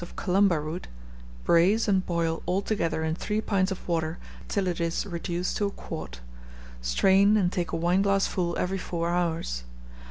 of Columba root; braise and boil all together in 3 pints of water till it is reduced to a quart: strain, and take a wine glassful every four hours.